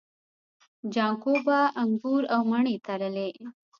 جانکو به انګور او مڼې تللې.